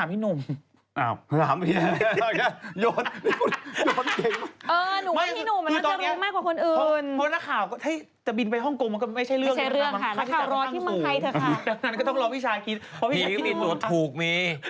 เพราะพี่ชายคิดว่าถูกมี